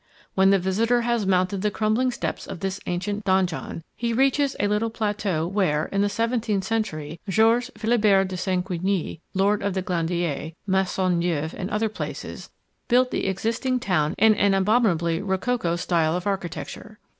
When the visitor has mounted the crumbling steps of this ancient donjon, he reaches a little plateau where, in the seventeenth century, Georges Philibert de Sequigny, Lord of the Glandier, Maisons Neuves and other places, built the existing town in an abominably rococo style of architecture.